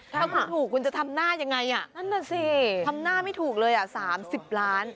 ถ้าคุณถูกคุณจะทำหน้ายังไงนั่นน่ะสิทำหน้าไม่ถูกเลยอ่ะ๓๐ล้าน